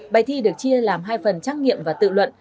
bài thi được chia làm hai phần trắc nghiệm và tự luận